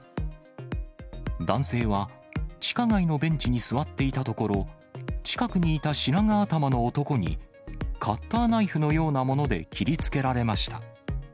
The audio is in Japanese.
男性は、地下街のベンチに座っていたところ、近くにいた白髪頭の男に、カッターナイフのようなもので切りつけられました。